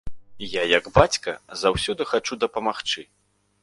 Я як бацька заўсёды хачу дапамагчы.